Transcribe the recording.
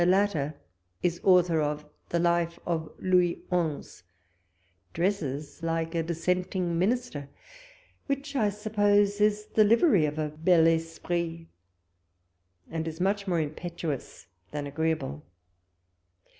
latter is author of the Life of Louis Onze ; dresses like a dissenting minister, which I sup pose is the livery of a bii esprit, and is much more impetuous than agreeable.